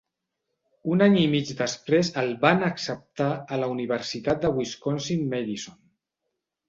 Un any i mig després el van acceptar a la universitat de Wisconsin-Madison.